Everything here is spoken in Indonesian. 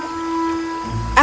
tolong ambilkan aku air pelayan